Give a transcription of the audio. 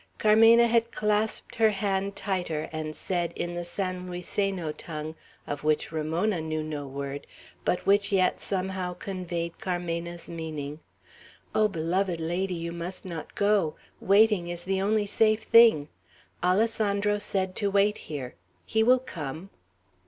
Carmena had clasped her hand tighter, and said in the San Luiseno tongue, of which Ramona knew no word, but which yet somehow conveyed Carmena's meaning, "O beloved lady, you must not go! Waiting is the only safe thing. Alessandro said, to wait here. He will come."